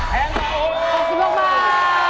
แพงกว่า